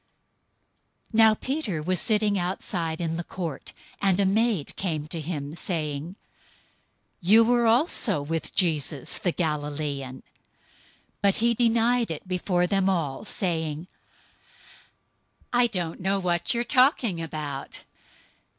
026:069 Now Peter was sitting outside in the court, and a maid came to him, saying, "You were also with Jesus, the Galilean!" 026:070 But he denied it before them all, saying, "I don't know what you are talking about."